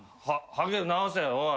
ハゲ直せおい。